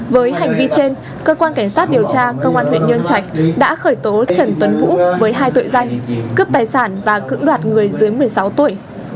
với hành vi trên cơ quan cảnh sát điều tra công an huyện nhân trạch đã khởi tố trần tuấn vũ với hai tội danh cướp tài sản và cưỡng đoạt người dưới một mươi sáu tuổi